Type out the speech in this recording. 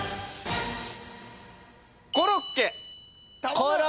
コロッケ！